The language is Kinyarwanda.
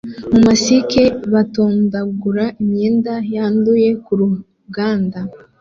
masike batondagura imyenda yanduye ku ruganda